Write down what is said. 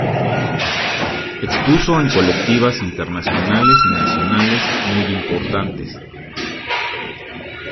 Expuso en colectivas internacionales y nacionales muy importantes.